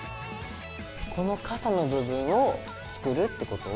この傘の部分を作るってこと？